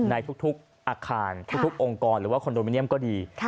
ในทุกอาคารทุกองค์กรหรือว่าคอนโดมิเนียมก็ดี